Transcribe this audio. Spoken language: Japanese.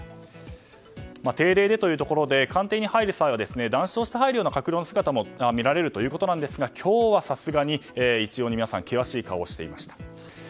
定例でというところで官邸に入る際は談笑してはいるような閣僚の姿も見られるということなんですが今日はさすがに一様に皆さん険しい顔をしていました。